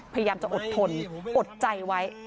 พยายามจะอดทนอดใจไว้